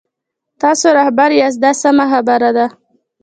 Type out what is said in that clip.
تاسو رهبر یاست دا سمه خبره ده.